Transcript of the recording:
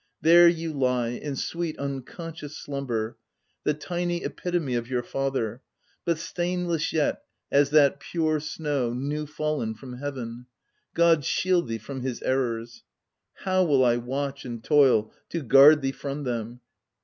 there you lie in sweet, un conscious slumber, the tiny epitome of your father, but stainless yet as that pure snow, new fallen from heaven — God shield thee from his errors ! How will I watch and toil to guard thee from them